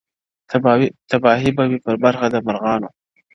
• تباهي به وي په برخه د مرغانو -